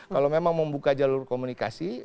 kalau memang membuka jalur komunikasi